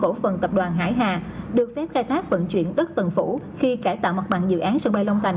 công ty khổ phần tập đoàn hải hà được phép khai thác vận chuyển đất tầng phủ khi cải tạo mặt bằng dự án sân bay long thành